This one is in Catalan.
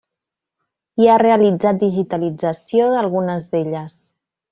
I ha realitzat digitalització d'algunes d'elles.